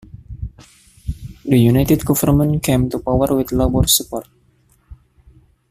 The United Government came to power with Labour support.